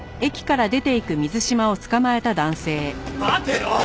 待てよ！